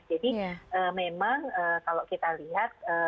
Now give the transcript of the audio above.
jadi memang kalau kita lihat